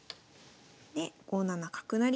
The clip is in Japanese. で５七角成。